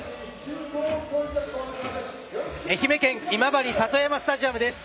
愛媛県今治里山スタジアムです。